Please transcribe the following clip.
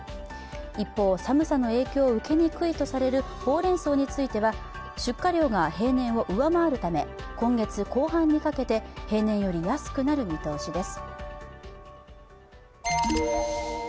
一方、寒さの影響を受けにくいとされるほうれんそうについては出荷量が平年を上回るため、今月後半にかけて平年より安くなる見通しです。